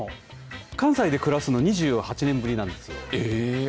関西で暮らすの２８年ぶりなんですよ。